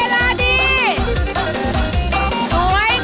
เวลาดีเล่นหน่อยเล่นหน่อย